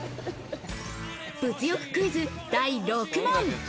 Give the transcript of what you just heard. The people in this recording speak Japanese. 物欲クイズ第６問。